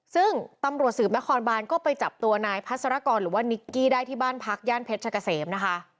ซึ่งตำรวจสืบนครบานก็ไปจับตัวนายพัศรกรหรือว่านิกกี้ได้ที่บ้านพักย่านเพชรชะกะเสมนะคะ